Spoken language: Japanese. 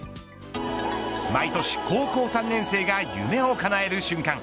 毎年、高校３年生が夢をかなえる瞬間。